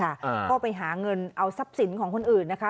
อ่าก็ไปหาเงินเอาทรัพย์สินของคนอื่นนะคะ